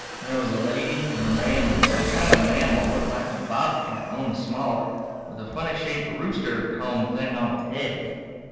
There was a lady and a man and some kind of an animal looked like a bobcat only smaller, with a funny shaped rooster comb thing on its head.